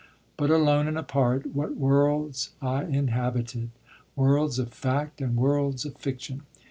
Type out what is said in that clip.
But alone and apart, what worlds I inhabited! Worlds of fact and worlds of fiction.